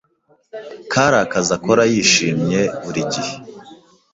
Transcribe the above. Kari akazi akora yishimye buri gihe